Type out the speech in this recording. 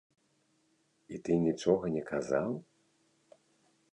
І ты нічога не казаў?